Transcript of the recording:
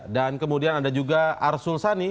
dan kemudian ada juga arsul sani